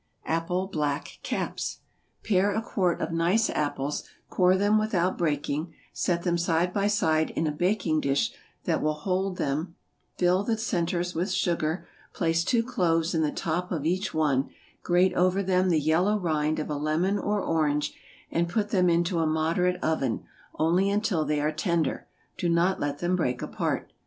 =Apple Black Caps.= Pare a quart of nice apples, core them without breaking, set them side by side in a baking dish that will just hold them, fill the centres with sugar, place two cloves in the top of each one, grate over them the yellow rind of a lemon or orange, and put them into a moderate oven only until they are tender; do not let them break apart.